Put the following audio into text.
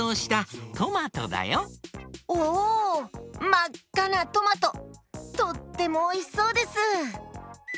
まっかなトマトとってもおいしそうです！